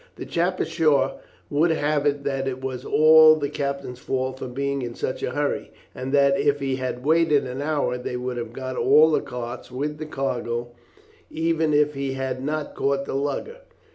The chap ashore would have it that it was all the captain's fault for being in such a hurry, and that if he had waited an hour they would have got all the carts with the cargo, even if he had not caught the lugger.